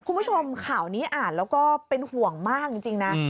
คุณผู้ชมข่าวนี้อ่านแล้วก็เป็นห่วงมากจริงนะ